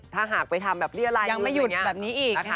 ถ้าหากไปทำแบบเรียรายอยู่อย่างนี้ยังไม่หยุดแบบนี้อีกนะคะ